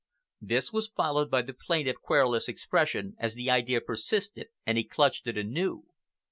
This was followed by the plaintive, querulous expression as the idea persisted and he clutched it anew.